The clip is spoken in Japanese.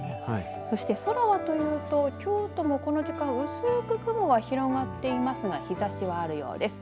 そして、空はというと京都もこの時間薄く雲は広がっていますが日ざしはあるようです。